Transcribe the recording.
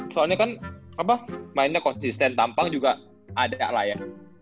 soalnya kan mainnya konsisten tampang juga ada lah ya